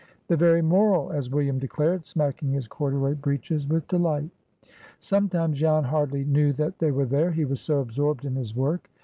"The very moral!" as William declared, smacking his corduroy breeches with delight. Sometimes Jan hardly knew that they were there, he was so absorbed in his work.